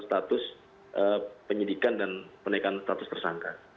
status penyelidikan dan meningkatkan status tersangka